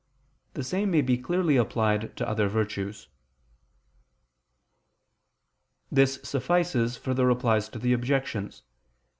The same may be clearly applied to other virtues. This suffices for the Replies to the Objections.